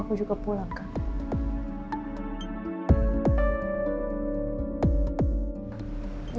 aku juga pulang kan